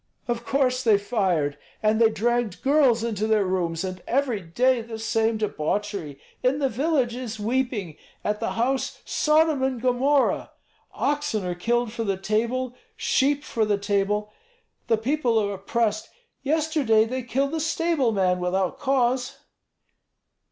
"Of course they fired! And they dragged girls into their rooms, and every day the same debauchery. In the village is weeping, at the house Sodom and Gomorrah. Oxen are killed for the table, sheep for the table. The people are oppressed. Yesterday they killed the stable man without cause."